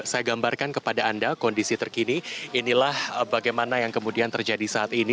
saya gambarkan kepada anda kondisi terkini inilah bagaimana yang kemudian terjadi saat ini